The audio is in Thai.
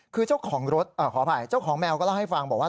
คือเจ้าของรถขออภัยเจ้าของแมวก็เล่าให้ฟังบอกว่า